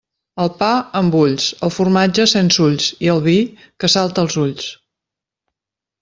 El pa, amb ulls; el formatge, sense ulls, i el vi, que salte als ulls.